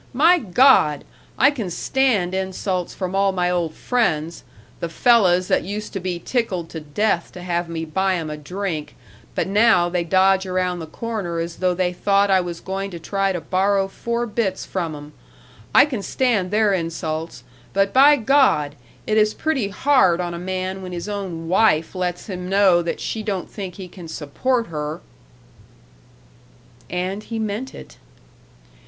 My God! I can stand insults from all my old friends the fellas that used to be tickled to death to have me buy 'em a drink, but now they dodge around the corner as though they thought I was going to try to borrow four bits from 'em I can stand their insults, but, by God! it is pretty hard on a man when his own wife lets him know that she don't think he can support her!" And he meant it.